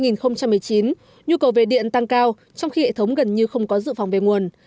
năm hai nghìn một mươi chín nhu cầu về điện tăng cao trong khi hệ thống gần như không có dự phòng về nguồn